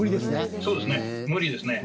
そうですね、無理ですね。